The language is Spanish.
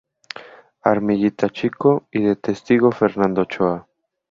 Armillita Chico y de testigo Fernando Ochoa.